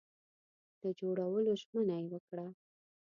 د جوړولو ژمنه یې وکړه.